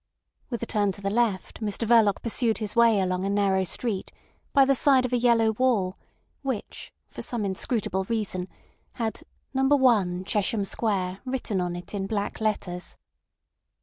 With a turn to the left Mr Verloc pursued his way along a narrow street by the side of a yellow wall which, for some inscrutable reason, had No. 1 Chesham Square written on it in black letters.